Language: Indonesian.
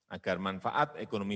agar manfaat ekonomi